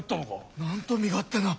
なんと身勝手な！